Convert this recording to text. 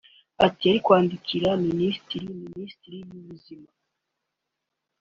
Ati "Yari kwandikira Minisitiri Minisiteri y’ubuzima